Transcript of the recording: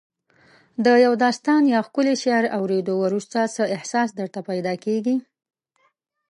د یو داستان یا ښکلي شعر اوریدو وروسته څه احساس درته پیدا کیږي؟